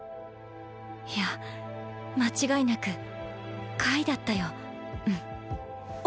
いや間違いなくだったようん。